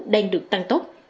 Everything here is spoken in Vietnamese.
đang được tăng tốt